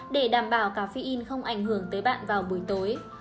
để đảm bảo caffeine không ảnh hưởng tới bạn vào buổi tối